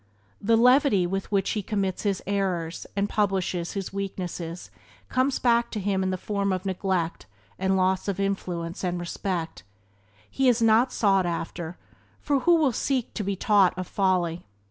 The levity with which he commits his errors and publishes his weakness comes back to him in the form of neglect and loss of influence and respect: he is not sought after, for who will seek to be taught of folly?